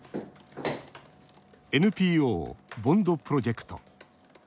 ＮＰＯ、ＢＯＮＤプロジェクト。